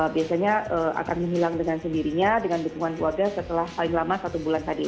biasanya akan menghilang dengan sendirinya dengan dukungan keluarga setelah paling lama satu bulan tadi